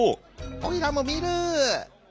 「おいらもみる」。